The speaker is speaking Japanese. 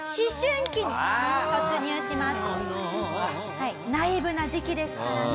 はいナイーブな時期ですからね。